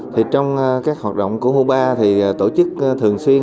thì trong các hoạt động của cuba thì tổ chức thường xuyên